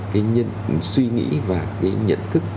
cái suy nghĩ và cái nhận thức